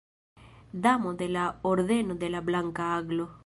Damo de la Ordeno de la Blanka Aglo.